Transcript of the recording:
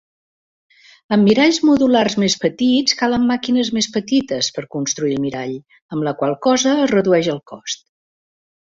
Amb miralls modulars més petits calen màquines més petites per construir el mirall, amb la qual cosa es redueix el cost.